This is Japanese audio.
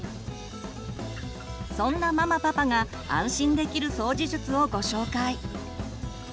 そんなママパパが安心できる掃除術をご紹介。